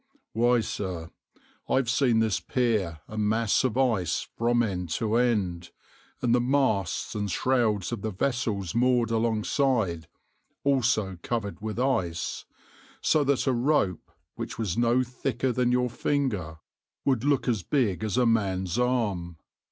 Why, sir, I've seen this pier a mass of ice from end to end, and the masts and shrouds of the vessels moored alongside also covered with ice; so that a rope, which was no thicker than your finger, would look as big as a man's arm.